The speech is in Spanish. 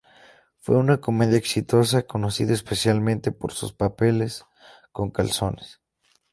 Fue una comediante exitosa, conocida especialmente por sus papeles con calzones.